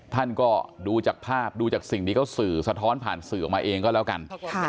ท่านก็ดูจากภาพดูจากสิ่งที่เขาสื่อสะท้อนผ่านสื่อออกมาเองก็แล้วกัน